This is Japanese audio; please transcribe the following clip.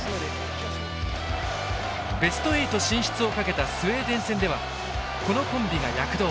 ベスト８進出をかけたスウェーデン戦ではこのコンビが躍動。